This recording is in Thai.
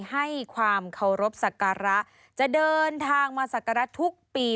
ให้ความเคารพสักการะจะเดินทางมาศักระทุกปี